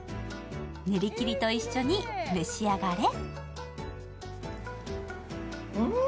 ねりきりと一緒に召し上がれ。